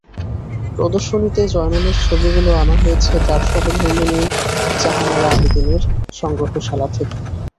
প্রদর্শনীতে জয়নুলের ছবিগুলো আনা হয়েছে তাঁর সহধর্মিণী জাহানারা আবেদিনের সংগ্রহশালা থেকে।